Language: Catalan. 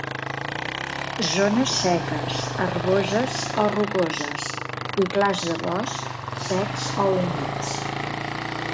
Zones seques, herboses o rocoses i clars de bosc, secs o humits.